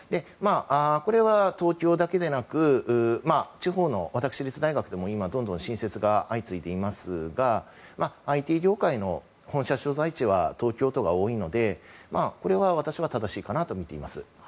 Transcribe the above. これは東京だけでなく地方の私立大学でも今、どんどん新設が相次いでいますがＩＴ業界の本社所在地は東京都が多いのでこれは私は正しいかなとみています。